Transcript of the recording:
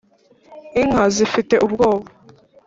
inka zifite ubwoba